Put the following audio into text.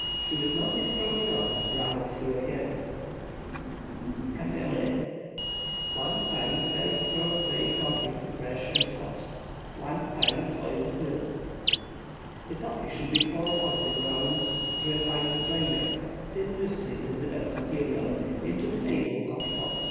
Should it not be strong enough, run it through again. CAFÉ AU LAIT. 1 pint very strong made coffee—fresh and hot. 1 pint boiling milk. The coffee should be poured off the grounds through a fine strainer (thin muslin is the best material) into the table coffee pot.